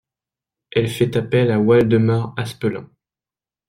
Elle fait appel à Waldemar Aspelin.